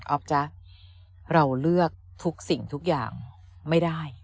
จ๊ะเราเลือกทุกสิ่งทุกอย่างไม่ได้